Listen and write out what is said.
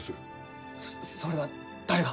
そそれは誰が？